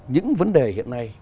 những vấn đề hiện nay